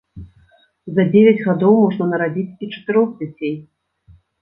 За дзевяць гадоў можна нарадзіць і чатырох дзяцей.